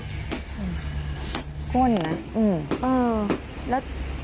ก้นนะ